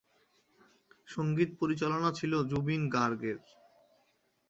সঙ্গীত পরিচালনা ছিল জুবিন গার্গ-এর।